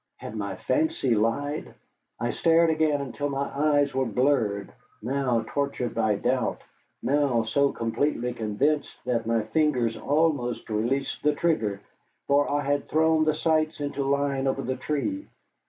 Had my fancy lied? I stared again until my eyes were blurred, now tortured by doubt, now so completely convinced that my fingers almost released the trigger, for I had thrown the sights into line over the tree.